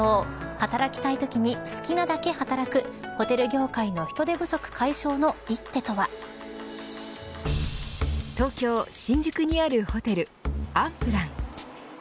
働きたいときに好きなだけ働くホテル業界の人手不足解消の東京・新宿にあるホテルＵＮＰＬＡＮ。